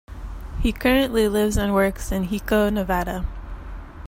He currently lives and works in Hiko, Nevada.